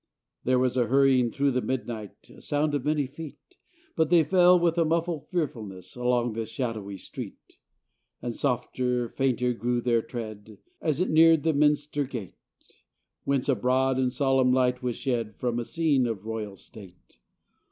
565 PORTUGAL There was hurrying through the midnight, A sound of many feet; But they fell with a mufHed fearfulness Along the shadowy street: And softer, fainter grew their tread, As it neared the minster gate. Whence a broad and solemn light was shed From a scene of royal state.